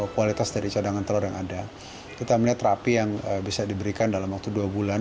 kualitas dari cadangan telur yang ada kita melihat terapi yang bisa diberikan dalam waktu dua bulan